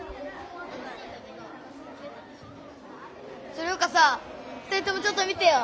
それよかさ２人ともちょっと見てよ。